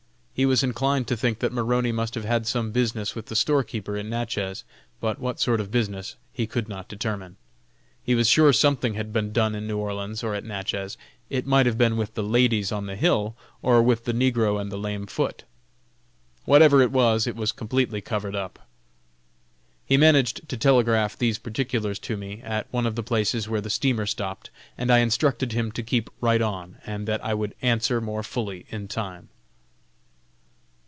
He was inclined to think that Maroney must have had some business with the store keeper in Natchez, but what sort of business he could not determine. He was sure something had been done in New Orleans or at Natchez. It might have been with the ladies on the hill, or with the negro and the lame foot. Whatever it was, it was completely covered up. He managed to telegraph these particulars to me, at one of the places where the steamer stopped, and I instructed him to keep right on, and that I would answer more fully in time.